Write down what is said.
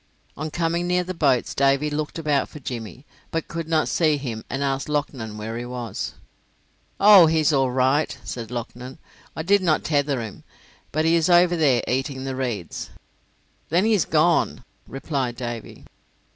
On coming near the boats Davy looked about for Jimmy, but could not see him and asked Loughnan where he was. "Oh, he is all right," said Loughnan, "I did not tether him, but he is over there eating the reeds." "Then he's gone," replied Davy.